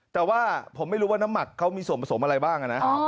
แต่ว่าผมไม่รู้ว่าน้ำหมักเขามีส่วนผสมอะไรบ้างนะ